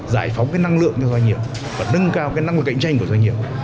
giải phóng cái năng lượng cho doanh nghiệp và nâng cao cái năng lực cạnh tranh của doanh nghiệp